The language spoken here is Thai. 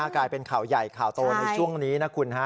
กลายเป็นข่าวใหญ่ข่าวโตในช่วงนี้นะคุณฮะ